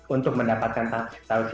untuk mendapatkan tausiah puasa